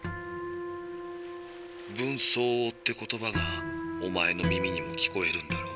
「分相応」って言葉がおまえの耳にも聞こえるんだろう？